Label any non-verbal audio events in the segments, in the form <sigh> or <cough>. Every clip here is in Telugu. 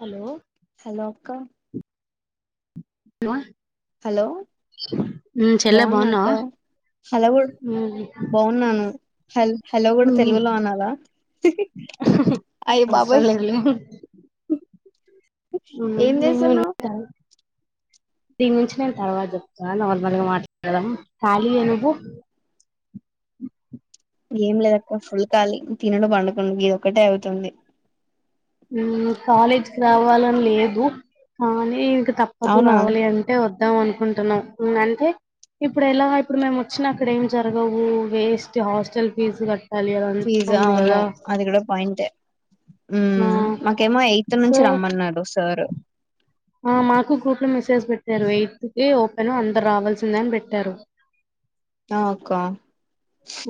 హలో హలో అక్క క <unintelligible> హలో చెల్లె బావున్నా అక్క బాగున్నావా హలోవు బాగున్నాను హ హలో కూడా తెలుగులో అనాలా అయి అవసరం బాబాయ్ లేదులే ఏం నేను చేస్తున్నావు. దీని నుంచి నేను తర్వాత చెప్తా నార్మల్గా మాట్లాడదాం ఖాళీ అ నువ్వు. ఏం లేదు అక్క. ఫుల్ ఖాలీ. తినడు పండుకునుడు ఇది ఒక్కటే అవుతుంది. కాలేజ్కి రావాలని లేదు. కానీ ఇంకా తప్పదు అవునా రావాలి. అంటే వ వద్దాం అనుకుంటున్నాం. అంటే ఇప్పుడు ఎలా ఇప్పుడు మేము వచ్చిన అక్కడ ఏం జరగవు. వేస్ట్ హాస్టల్ ఫీజు కట్టి ఫీజా అవును అది కూడా పాయింటే. ఉ ఆ మాకేమో ఎయిత్ సో నుంచి రమ్మన్నారు సారు. ఆ మాకు గ్రూప్లో మెసేజ్ పెట్టారు. ఎయిత్ కి ఓపెన్ అందరు రావాల్సిందే అని పెట్టారు. ఆ అక్క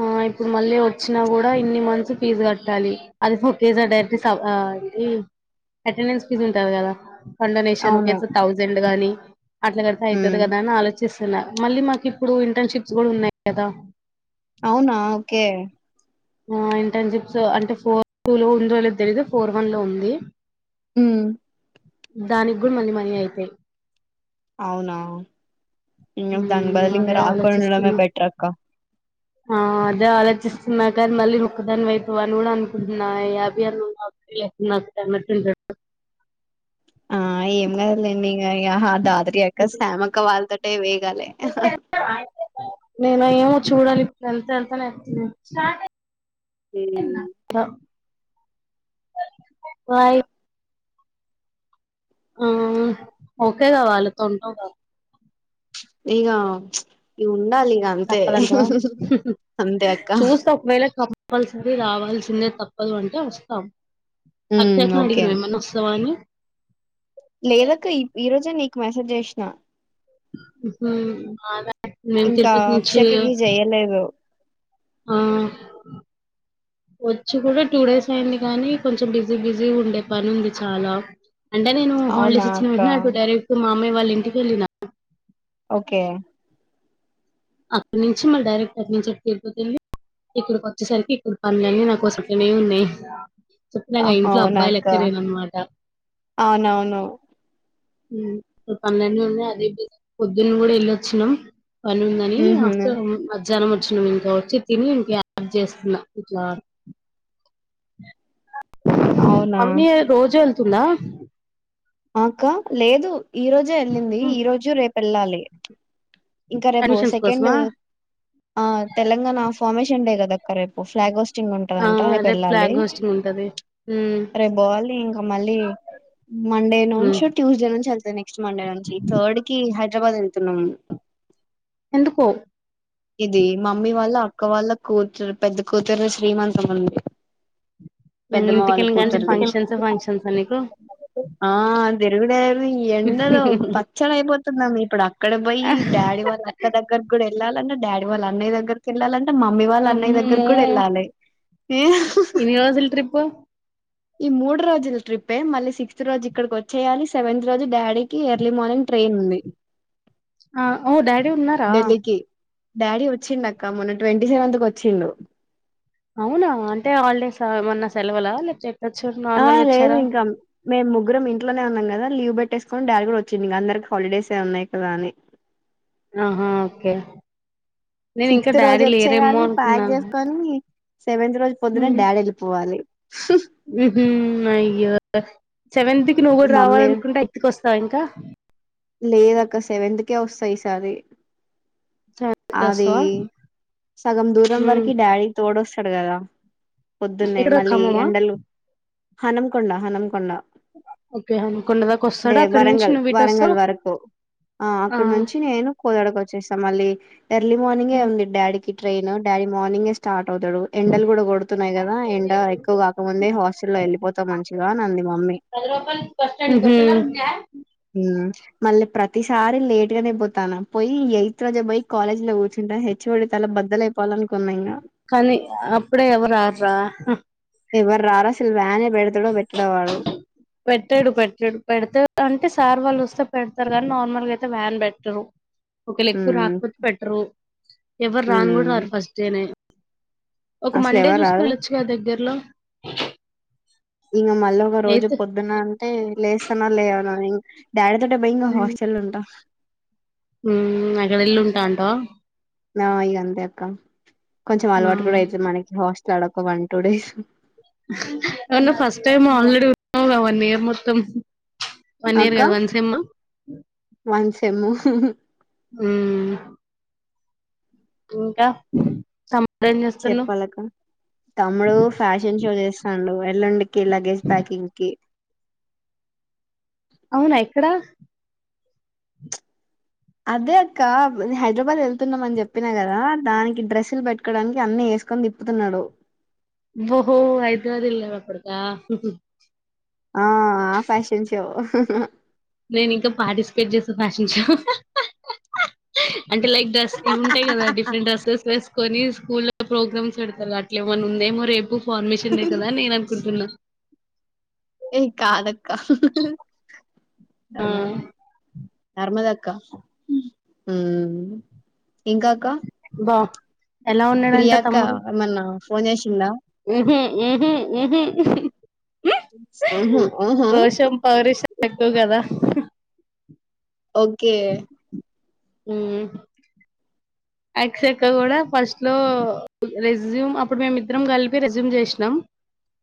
ఆ ఇప్పుడు మళ్ళీ వచ్చినా కూడా ఇన్ని మంత్స్ ఫీజు కట్టాలి. అది ఒకేసారి డైరెక్ట్ <unintelligible> అటెండెన్స్ ఫీజు ఉంటది కదా. ఫండొనేషన్ అవును ఒకేత్ థౌజండ్ గాని అ <inaudible> అట్లా కడితే అయితది ఉమ్ కదా అని ఆలోచి చించలే మళ్ళీ మాకు ఇప్పుడు ఇంటర్న్షిప్స్ కూడా ఉన్నాయి కదా. అవునా ఓకే ఆ ఇంటర్న్షిప్స్ అంటే ఫోర్ టూ లో ఉందో లేదో తెలీయదు. ఫోర్ వన్ లో ఉంది. హు దానికి కూడా మళ్ళీ మనీ అయితయ్ అవునా. ఇంగా మ్మ్ బదులు ఇంగా అదే రాకుండా ఉండడమే ఆలోచిస్తున్నా బెటర్ అక్క. ఆ అదే ఆలోచిస్తున్న కానీ మళ్ళీ నువ్వు ఒక్కదాన్నివైతవు అని కూడా అనుకుంటున్నా <unintelligible> ఆ ఏం కాదు లేండి యహా దాదతీ అక్కస్ సామ్ అంకుల్వాలతో నేను ఎమ్ చూడాలి ఇప్పుడు వెళ్తే వెళ్త లేకపోతే లేదు. ఉ వైయ్ హు ఓకేగా వాళ్ళతో ఉంటావుగా. ఇగ ఉం తప్పదంటవా అంతే అక్క చూస్తా ఒకవేళ చెప్పాల్సింది రావాల్సిందే తప్పదు అంటే వస్తాం ఉమ్ అక్షక్కకి ఓకే అడిగినావ ఏమన్నా వస్తావా అనీ లేదక్క ఈ రోజె నీ మెసేజ్ చేసిన హుమ్ మేము ఇంకా తిరుపతి నుంచి అక్షయకి చెయలేదు ఆ వచ్చి కూడా టూ డేస్ అయింది. కానీ కొంచెం బిజీ బిజీ ఉండే పని ఉంది. చాలా అంటే నేను అవునా హాలిడేస్ ఇచ్చిన అక్క వెంటనే డైరెక్ట్ మామయ్య వాళ్ళ ఇంటికి వెళ్ళిన ఓకే అక్కడి నుంచి మళ్ళీ డైరెక్ట్ అటు నుంచి అటు తిరుపతి వెళ్ళి ఇక్కడికి వచ్చేసరికి ఇక్కడ పనులన్నీ నాకోసమే ఉన్నాయి. హా చెప్పినాగా ఇంట్లో అబ్బాయి అవునాక్క లెక్క లేనన్నమాట అవునవును ఉ పన్నెండు ఉన్నాయి అది <unintelligible> పొద్దున్న కూడా వెళ్ళొచ్చినాం పని ఉంది. ఉహు <unintelligible> జనం వచనంఇంకా వచ్చి తిని ఇంకా యాద్ చేస్తున్నా ఇట్లా అవునా మమ్మీ రోజు వెల్ తుందా ఆ అక్క లేదు ఈ రోజు వెళ్ళింది ఈ రోజు రేపు వెళ్లాలి ఇంకా రేపు అడ్మిషన్స్ సెకండ్ కోసమా ఆ తెలంగాణ ఫార్మశన్ డే కదాక్క రేపు ఫ్లాగ్ వే ఆ వుంటందట రేపు వెళ్ళాలి. ఫ్లాగ్ హోస్టింగ్ ఉంటది ఉమ్, రేపు పోవాలి ఇంకా మళ్ళీ, మండే ఉమ్. నుంచి ట్యూస్డే నుంచి వెళ్తదంట. నెక్స్ట్ మండే నుండి థర్డ్ కి హై హైదరాబాద్ వెళ్తున్నాం ఎందుకో ఇది మమ్మీ వాళ్ళ ఒక్క వాళ్ళ కూతురు పెద్ద కూతురు ది శ్రీమంతముందీ ఇంటికెల్ల గానే ఫంక్షన్స్ ఫంక్షన్స్ నీకు ఆ అ తీరుగుడే ఎండలు పచ్చడయిపోతు నాకు ఇపడా ఇక్కడ పోయి డాడీ వాళ్ళ అక్క దగ్గర కూడా వెళ్ళాలన్నా డాడీ వాళ్ళ అన్నయ్య దగ్గర వెళ్లలనీ మమ్మీ వాళ్ళ అన్నయ్య దగ్గర అమ్మో కూడా వెళ్ళాలి ఎన్ని రోజుల ట్రిప్ ఈ మూడు రోజుల ట్రిప్ ఏ మళ్ళీ సిక్స్త్ రోజు ఇక్కడికి వచ్చేయాలి. సెవెంత్ రోజు డాడీకి ఎర్లీ మార్నింగ్ ట్రైన్ ఉంది. ఆ ఓ డాడీ ఉన్నారా ఢిల్లీకి డాడీ వచ్చిండ అక్క మొన్న ట్వంటీ సెవెంత్ కు వచ్చిండు అవునా అంటే హాల్ డేస్ ఆ ఏమన్నా సెలవుల లేపో తే ఆ లేదు ఇంకా మేము గ్రం ఇంట్లోనే ఉన్నాం కదా. లీవ్ పెట్టేసుకొని డాడ్ కూడా వచ్చిండు. ఇక అందరికి హాలిడేస్ ఉన్నాయి కదా అని. ఆహా ఓకే నేను ఇంకా సిక్స్త్ రోజు డాడీ లేరేమో వచ్చేయాలి ప్యాక్ అనుకున్నాను చేసుకొని సెవెంత్ రోజు పొద్దునే డాడీ వెళ్ళిపోవాలి ఉ హు అయ్య సెవెంత్కి నువ్వు కూడా రావాల మమ్మీ అనుకుంటే అయితుకి వస్త స ఇంకా లేద అక్క సెవెంత్ కే వస్త ఈసారి సెవెంత్ కి అది వస్తావా సగం దూరం హ్మ్ వరకి డాడీ తోడో చడగాదా ఎక్కడ ఖమ్మమా హన్మకొండ హన్మకొండ ఓకే హనుకొండ దాకా అంటే వస్తాడు అక్కడ నుంచి వరంగల్ నువ్వు ఇటు వరంగల్ వస్తావ్ వరకు ఆ అక్కడ నుంచి నేను కోదడక వచ్చ చేస్తా మళ్ళీ ఎర్లీ మార్నింగే హ్మ్ ఉంది. డాడీకి ట్రెన్ డాడీ మార్నింగే స్టార్ట్ అవుతాడు. ఎండలు కూడా కొడుతున్నాయి. కదా ఎండ ఎక్కువ కాకముందే హాస్టల్లో వెళ్ళిపోతే మంచి ఇగా నంది కలవాపాల్ బస్ స్టాండ్ ఉమ్, మళ్ళీ ప్రతిసారి లేట్ గానే పోతాను. పోయి ఎయిట్ రోజే పోయే కాలేజ్ లో కూర్చుంటాను హెచ్ఓడి తల బద్దలైపోవాలని కనీ అప్పుడే ఎవరు రార్రా ఎవరు రార్ అసల్ వాన్ పెట్టాడు పెట్టాడు పెడితే అంటే సార్ వాళ్ళు వస్తే పెడతారు కానీ నార్మల్ గా అయితే వ్యాన్ పెట్టరు. ఒకలే ఏక్కువ ఉమ్ రాకపోతే పెట్టరు. ఎవరు రాను కూడా ఉమ్ రారు ఫస్ట్ డేనే ఒక అసలు మండే ఎవరు చూసుకుని రారు వెళ్చ్చు కదా దగ్గరలో ఇంగా మళ్ళీ ఒక రోజు అయితే పొద్దున అంటే లేస్తానో లేవనో ఇంకా డాడి తోటే పోయ్ ఇగా హాస్టల్ ఉంటా హ్మ్ అక్కడ వెళ్ళి ఉంటా అంటావా నా ఈ ఇగా అంతే అక్క కొంచె అలవాటు కూడా అయితది మనకి హస్ట్ తడం అన్న ఫస్ట్ టైమ్ ఆల్రెడి అవునా వన్ ఇయర్ మొత్తం వన్ ఇయర్ అక్క కదా వన్ సెమ్ వన్ సేమ్ము హ్మ్ ఇంకా తమ్ముడు ఏం చేస్తున్నావ్ చెప్పాలక్క తమ్ముడు ఫ్యాషన్ షో చేస్తాండు. ఎల్లుండి లగేజ్ ప్యాకింగ్ కి అవునా ఎక్కడ అదే అక్క మేమ్ హైదరాబాద్ వెళ్తున్నాం. అని చెప్పినా కదా దానికి డ్రస్సులు పెట్టుకోవడానికి అన్నీ వేసుకొని తిప్పుతున్నడు. ఓహో హైదరాబాద్ వెళ్ళావా కొడుకా ఆ ఆ ఫ్యాషన్ షో స నేను ఇంకా పార్టిసిపేట్ చేసే ఫ్యాషన్షో అంటే లైక్ డ్రస్ ఇవి ఉంటాయి. కదా డిఫరెంట్ డ్రసెస్ వేసుకొని స్కూల్లో ప్రోగ్రామ్స్ పెడతారు అట్లా ఏమైన్నా ఉందేమో రేపు ఇన్ఫార్మేషన్కుదా నను అనుకుంటన్నా ఏ కాాల ఆ నర్మలక్ నర్మద అక్క ఇంకా అక్క బా ఎలా ఉన్నాడంట ప్రియాంక తమ్ముడు ఏమన్నా ఫోన్ చేసిందా ఏహ ఏహ ఆహా ఆహా పౌరుషం ఎక్కువ కదా ఓకే హ ఎక్స్ ఎక్క కూడా ఫస్ట్ లో రెజ్యూమ్ అప్పుడు మేమిద్దరం కలిపి రెజ్యూమ్ చేసినాం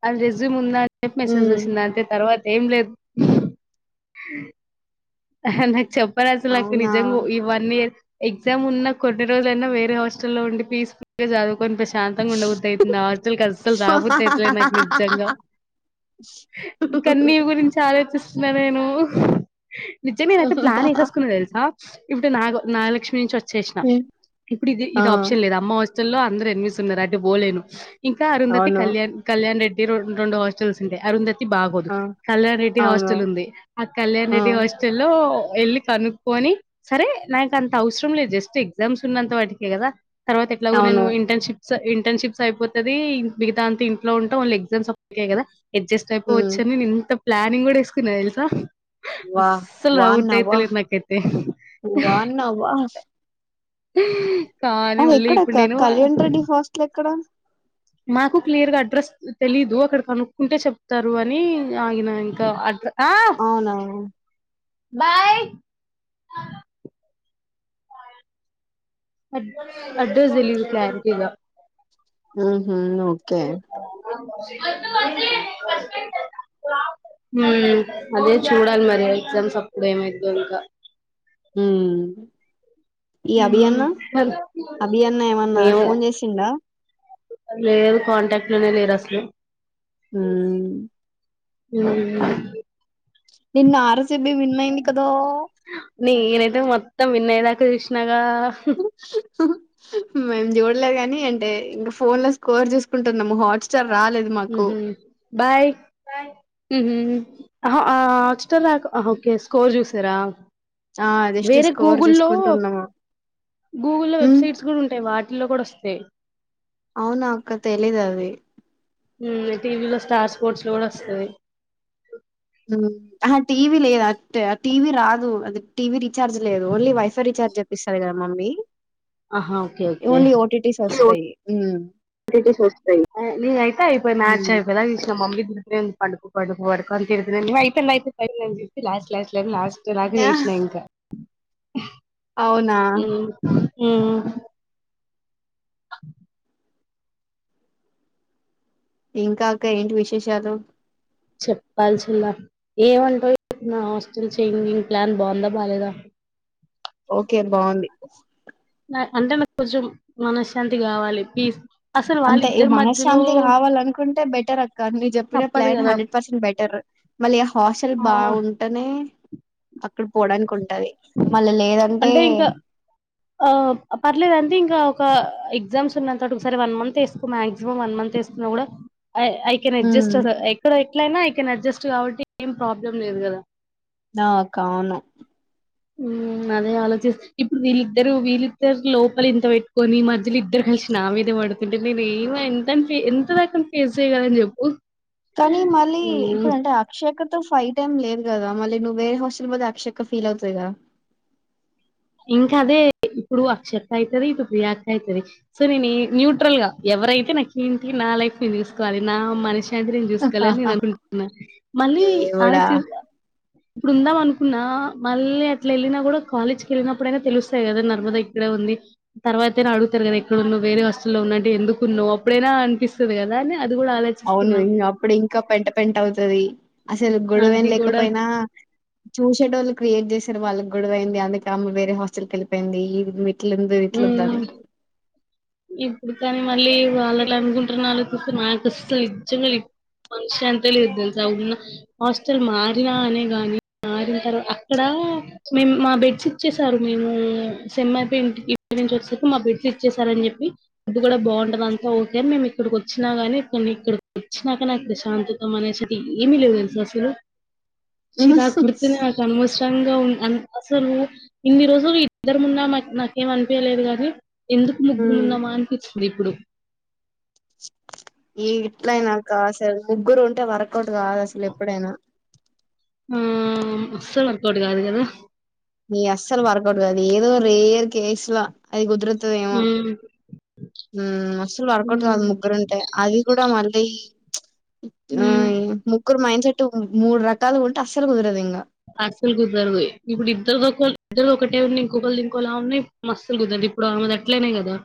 అది రెజ్యూమ్ ఉందా మెసేజ్ చేసింది అంటే తర్వాత ఏం లేదు నా చెప్ప ప్రజలకు అవునా నిజంగా ఈ వన్ ఇయర్ ఎగ్జామ్ ఉన్న కొన్ని రోజులైనా వేరే హస్టల్లో ఉండి పీస్ఫుల్ చదువు కొన్ని ప్రశాంతంగా ఉండబుద్ధి అవుతుంది హస్టల్కి అస్సలు రాబుద్ధి అయితలే నాకు నిజంగా కానీ నీ గురించి ఆలోచిస్తే నన్నేను నిజంగా నేను అయితే ప్లాన్ వేసేసుకున్న తెలుసా ఇప్పుడు నాగ నాగలక్ష్మి నుంచి వచ్చ చ్చేసినా ఇప్పుడు ఇది ఆ ఇది ఆప్షన్ లేదు అమ్మ వస్త లో అందరు ఎన్నిమిస్తున్నారు అంటే పోలేను ఇంకా అరుంధతి అవును క్యా్ కళ్యాణ్ రెడ్డి రె హాస్టల్స్ అరుంద బాగోదు ఆ కళ్యాణ రెడ్డి అవును హాస్టల్ ఉంది ఆ కళ్యాను ఆ రెడ్డి హాస్టల్ వెళ్ళి కనుక్కొని సరే నాకు అంత అవసరం లేదు జస్ట్ ఎగ్జామ్స్ ఉన్నంత వాటికే కదా తర్వాత ఎట్లాగు నేను అవును ఇంటర్న్షిప్ సొ ఇంటర్న్షిప్స్ అయిపోతది మిగతా అంతా ఇంట్లో ఉంటూ ఓన్లీ ఎగ్జామ్స్ ఒకటే కదా అడ్జస్ట్ హ్మ్ అయిపోవచ్చని ఇంత ప్లానింగ్ కూడా వేసుకున్న తెలుసా వా సల ఔట అై <inaudible> వాన్నవా తేలి నాకైతే వాన్నవా కానీ ఆ మళ్ళీ ఇప్పుడు ఎక్కడక్క నేను కళ్యాణ్ రెడ్డి హాస్టల్ ఎక్కడ మాకు క్లియర్ గా అడ్రస్ తెలీదు అక్కడ కనుక్కుంటే చెప్తారు అని ఆగిన ఇంకా అడ్రస్ అవునవును బాయ్ అడ్రెస్ తెలీదు క్లారిటీగా ఉహూ ఓకే ఉమ్ అదే చూడాలి మరి ఎగ్జామ్స్ అప్పుడు ఏమైద్దో ఇంకా ఉమ్ ఈ హ్మ్ అభియన్న మరి అభియన్న ఏమన్నా ఫోన్ చేసిండా లేదు కాంటాక్ట్ లోనే లేరు అసలు ఉమ్ ఉమ్ నిన్న ఆరు ఆర్ సి బి విన్నయింది కదా నేనైతే మొత్తం విన్నయే దాకా చూసినా ఆ మేము చూడలే కాని అంటే ఇంకా ఫోన్ లో స్కోర్ చూసుకుంటున్నాము హాట్స్టార్ ఉహూ బాయ్ బాయ్ ఆ హాట్స్టార్ స్కోర్ చూసారా ఆ అదిష్టి వేరే స్కోర్ గూగుల్లో చూసుకుంటున్నము గూగుల్లో ఉమ్ వెబ్సైట్స్ కూడా ఉంటాయి వాటిల్లో కూడా వస్తాయి అవునా అక్క తెలీదు అది ఉమ్ టీవీలో స్టార్ స్పోర్ట్స్ లో కూడా వస్తది ఉమ్ టీవీ లేదు అట్ టీవీ రాదు అది టీవి రీచార్జ్ లేదు ఓన్లీ వైఫై రీచార్జ్ విసార గద మమ్మీ ఆహా ఓకే ఓన్లీ ఓటిటీస్ వస్తయి నేను అయితే అయిపోయి మ్యాచ్ అయిపోయే దాక చూసి నా మమ్మీ తిడుతూనే ఉంది పండుకో పడుకో అని పడుకో అయిపోయింది అయిపోయింది అని చెప్పసి లాస్ట్ లాస్ట్ లాస్ట్ ఇలాగే చేసిన ఇంకా అవునా ఉమ్ ఉమ్ <unintelligible> ఇంకా అక్క ఏంటి విశేషాలు చెప్పాల్సిలా ఏమంటావు నా హాస్టల్ చేంజింగ్ ప్లాన్ బాగుందా బాలేదా ఓకే బాగుంది అంటే నాకు కొంచెం మనశ్శాంతి కావాలి పీస్ అసలు అంతే ఈ వాళ్ళిద్దరి మధ్యలో మనశ్శాంతి కావాల అనుకుంటే బెటర్ అక్క న చెప్పిన తప్పదు ప్లాన్ కదా హండ్రెడ్ పర్సెంట్ బెటర్ మళ్ళీ హాస్టల్ ఆ బాగుంటేనే అక్కడ పోడానికి కొ అంటే ఇంకా ఆ పర్లేదంటే ఇంకా ఎగ్జామ్స్ ఉన్నంత ఒకసారి వన్ మంత్ వేసుకో మాక్సిమం వన్ మంత్ వేసుకున్నా కూడా ఐ కెన్ హ్మ్. అడ్జస్ట్ ఎక్కడ ఎట్లైనా ఐ కెన్ అడ్జస్ట్ కాబట్టి ఏం ప్రాబ్లం లేదు కదా నా కావవును ఉమ్ అదే ఆలోచిస్త ఇప్పుడు వీళ్ళిద్దరు వీళ్ళిద్దరు లోపలి ఇంత పెట్టుకొని మధ్యలో ఇద్దరు కలిసి నా మీదే పడుతుంటే నేను ఏమ ఎంత ఎంత దాకాం ఫేస్ చెయగలని చెప్పు కానీ మళ్ళీ ఇప్పుడు అంటే అక్షయక ఫైవ్ టైమ్ లేదు కదా మళ్ళీ నువ్వే వేరే హస్టల్ పోతే అక్షక్క ఫీల్ అవుతాయిదా ఇంకా అదే ఇప్పుడు అక్షత అవుతది ఇప్పుడు రియాక్ అవుతది సో నేను న్యూట్రల్ గా ఎవరైతే నాకేంటి నా లైఫ్ ని తీసుకోవాలి నా మనిషి సంత్రయం చూసుకోవాలని నేను అనుకుంటున్నా మళ్ళీ అలా దేవుడా! చ ఇప్పుడు ఉందాం అనుకున్నా మళ్ళీ అట్లా వెళ్ళిన కూడా కాలేజ్ వెళ్ళినప్పుడైనా తెలుస్తాయి కదా నర్మద ఇక్కడే ఉంది తర్వాతనా అడుగుతారు కదా ఎక్కడన్న వేరే హస్తుల్లో ఉన్న అంటే ఎందుకు ఉన్నావు అప్పుడైనా అనిపిస్తుంది కదా అని అది కూడా అవును ఆలోచిస్తున్నా ఇం అప్పుడు ఇంకా పెంట పెంట అవుతుది అసలు గొడవేన అది కూడా లేకపోయినా చూసేటోళ్ళు క్రియేట్ చేసారు వాళ్ళ గుడవైయింది అందుకేమ్మ వేరే హాస్టల్ కకి వెళ్ళపోయింది ఇప్పుడు కాని మళ్ళీ వాళ్ళ అనుకుంటున్న చూ మాకులు నిజంగా మ శాంతి లే తెలుస ఉన్న హాస్టల్ మారినా అనే గాని మారిన తర్వాత అక్కడ మే మా బెడ్షట్చ్చసారు మేము సమ్యి ఇంటి ఇక్కడి నుంచి వచ్చసరికి మా బిడ్లు ఇచ్చేసార అని చెప్పి ఫుడ్ కూడా బాగుంటద అంతా ఓకే మేము ఇక్కడికి వచ్చినా గాని కొన్ని ఇక్కడికి వచ్చినాక నా ప్రశాంతతం అనేసిది ఏమిీ లేవు తెలుసు అసలు చీరక్బడతతేనేక మ కష్టంగా ఉం అసలు ఇన్ని రోజులు ఇద్దరు మున్నం అ ఏం అనిపియలేదు గానీ ఎందుకు హ్మ్. ముగ్గురుమున్నమ అనిపించిది ఇప్పుడు కా అసలు ముగ్గురు ఉంటే వర్కౌట్ కాదు అసలు ఎప్పుడైనా ఆ అస్సలు వర్క్ అవుట్ కాదు కదా ని అస్సలు వర్కౌట్ కాది ఏదో రేర్ కేసు లో అది కుదరత్ హమ్ అమ్ అసలు వర్కౌట్ కాదు ముగ్గురుంటే అది కూడా మళ్ళీ ఆ హ్మ్. ముగ్గురు మెండ్ సెట్ చెట్టు మూడు రకాలుగా ఉంటే అస్సలు కుదరదు ఇంకా అస్సలు కుదరదు ఇప్పుడు ఇద్దరు ఇద్దరు ఒకటే ఉ ఇంకొకళ్ళది ఇంకోలా ఉన్నాఇప్పుడు మస్తు కుదరదు ఇప్పుడు ఆమె అట్లేనేయి కదా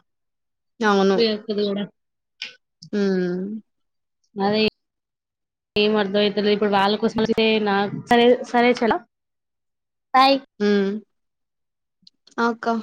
అవును వీణక్కది కూడా ఉమ్ అదే ఏం అర్థమైతాలే ఇప్పుడు వాళ్ళ కోసం అతే నాకు సరే సరే చేల బాయి ఆకా